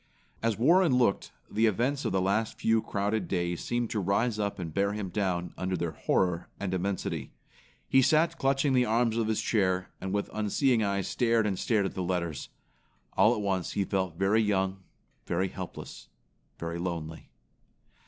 As Warren looked, the events of the last few crowded days seemed to rise up and bear him down under their horror and immensity. He sat clutching the arms of his chair, and with unseeing eyes stared and stared at the letters. All at once he felt very young, very helpless, very lonely.